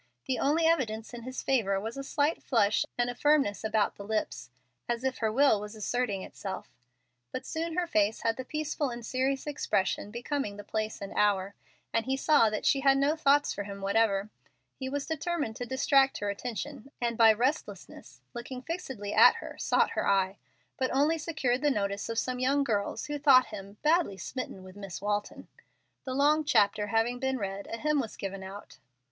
The only evidence in his favor was a slight flush and a firmness about the lips, as if her will was asserting itself. But soon her face had the peaceful and serious expression becoming the place and hour, and he saw that she had no thoughts for him whatever. He was determined to distract her attention, and by restlessness, by looking fixedly at her, sought her eye, but only secured the notice of some young girls who thought him "badly smitten with Miss Walton." The long chapter having been read, a hymn was given out.